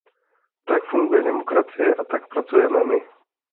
Tak funguje demokracie a tak pracujeme my.